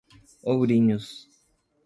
Ourinhos